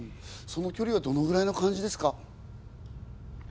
その距離はどのくらいの感じですか？